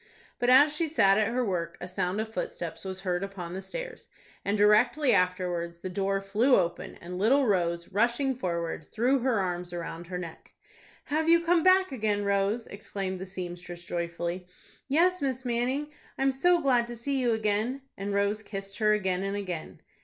But, as she sat at her work, a sound of footsteps was heard upon the stairs, and directly afterwards the door flew open, and little Rose, rushing forward, threw her arms around her neck. "Have you come back again, Rose?" exclaimed the seamstress, joyfully. "Yes, Miss Manning, I'm so glad to see you again;" and Rose kissed her again and again.